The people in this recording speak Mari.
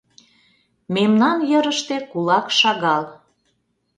— Мемнан йырыште кулак шагал...